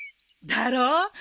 だろ？